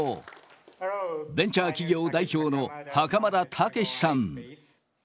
ベンチャー企業代表の袴田武史さん。